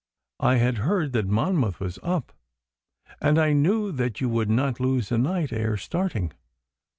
'I had heard that Monmouth was up, and I knew that you would not lose a night ere starting.